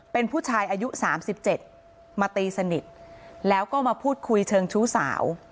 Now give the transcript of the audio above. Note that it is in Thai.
เป็นผู้ชายอายุ๓๗มาตีสนิทแล้วก็มาพูดคุยเชิงชู้สาว